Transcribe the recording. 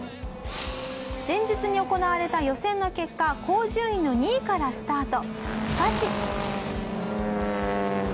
前日に行われた予選の結果高順位の２位からスタート。